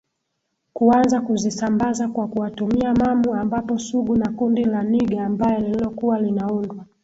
kuanza kuzisambaza kwa kuwatumia Mamu ambapo Sugu na Kundi la nigga mbaya lililokuwa linaundwa